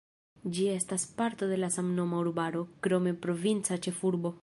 Ĝi estas parto de la samnoma urbaro, krome provinca ĉefurbo.